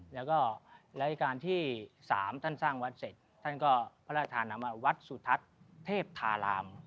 แล้วก็ราชการที่๓ท่านสร้างวัดเสร็จท่านก็พระราชทานนำมาวัดสุทัศน์เทพธาราม